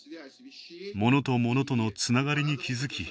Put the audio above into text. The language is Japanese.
物と物とのつながりに気付き